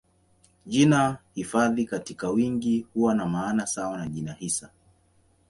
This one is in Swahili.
Jina hifadhi katika wingi huwa na maana sawa na jina hisa.